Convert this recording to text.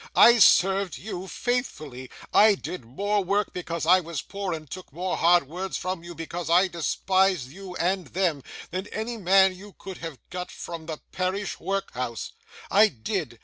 I served you faithfully. I did more work, because I was poor, and took more hard words from you because I despised you and them, than any man you could have got from the parish workhouse. I did.